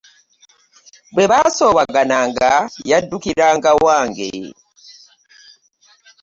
Bwe baasoowagananga yaddukiranga wange.